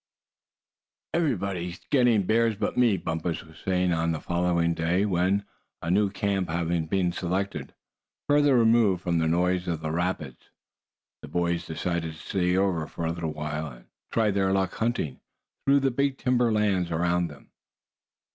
"Everybody's getting bears but me," Bumpus was saying on the following day, when, a new camp having been selected, further removed from the noise of the rapids, the boys decided to stay over for a little while, and try their luck hunting through the big timber lands around them.